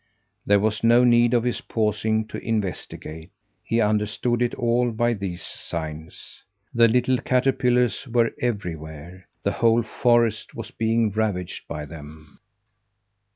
There was no need of his pausing to investigate. He understood it all by these signs. The little caterpillars were everywhere. The whole forest was being ravaged by them!